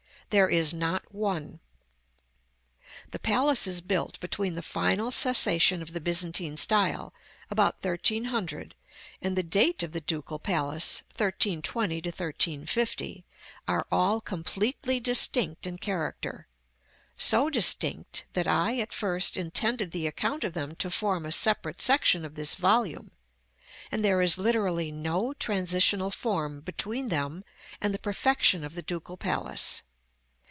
There is not one. The palaces built between the final cessation of the Byzantine style, about 1300, and the date of the Ducal Palace (1320 1350), are all completely distinct in character, so distinct that I at first intended the account of them to form a separate section of this volume; and there is literally no transitional form between them and the perfection of the Ducal Palace.